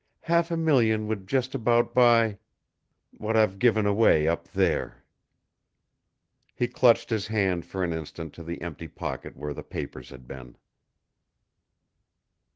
Half a million would just about buy what I've given away up there." He clutched his hand for an instant to the empty pocket where the papers had been.